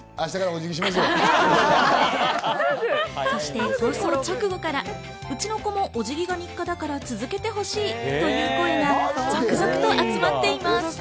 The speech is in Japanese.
そして放送直後からうちの子もお辞儀が日課だから続けてほしいという声が続々と集まっています。